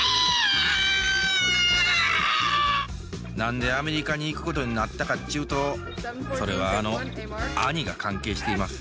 何でアメリカに行くことになったかっちゅうとそれはあの兄が関係しています。